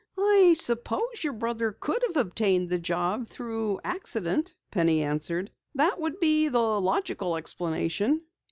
"I suppose your brother could have obtained the job through accident," Penny answered. "That would be the logical explanation."